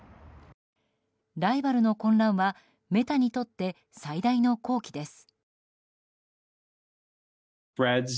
ライバルの混乱はメタにとって最大の好機です。